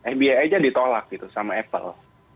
fbi aja ditolak gitu sama apple